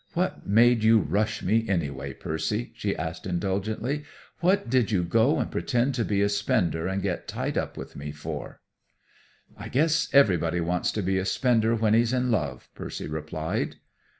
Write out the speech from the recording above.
"What made you rush me, anyway, Percy?" she asked indulgently. "What did you go and pretend to be a spender and get tied up with me for?" "I guess everybody wants to be a spender when he's in love," Percy replied.